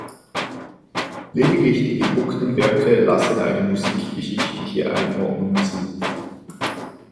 Lediglich die gedruckten Werke lassen eine musikgeschichtliche Einordnung zu.